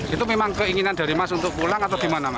itu memang keinginan dari mas untuk pulang atau gimana mas